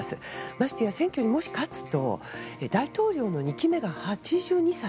ましてや選挙にもし勝つと大統領の２期目が８２歳。